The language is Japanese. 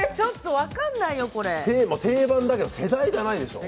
定番だけど世代じゃないでしょう。